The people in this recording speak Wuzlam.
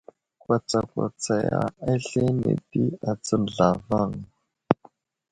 Kwatsakwatsaya aslane di atsən zlavaŋ degiya.